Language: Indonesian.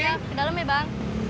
ya ke dalam ya bang